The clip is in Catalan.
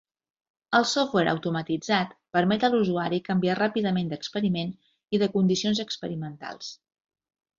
El software automatitzat permet a l'usuari canviar ràpidament d'experiment i de condicions experimentals.